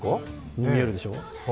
に見えるでしょ